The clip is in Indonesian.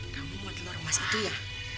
kamu mau telur masih itu ya